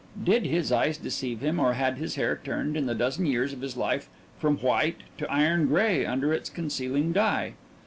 Did his eyes deceive him, or had his hair turned in the dozen years of his life from white to iron gray under its concealing dye?